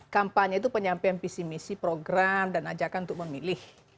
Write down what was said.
kampanye itu penyampaian visi misi program dan ajakan untuk memilih